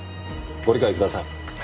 ご理解ください。